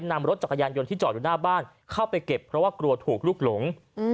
นำรถจักรยานยนต์ที่จอดอยู่หน้าบ้านเข้าไปเก็บเพราะว่ากลัวถูกลูกหลง